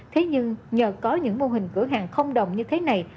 thế nhưng nhờ có những mô hình cửa hàng không đồng như thế này